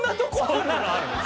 そんなのある？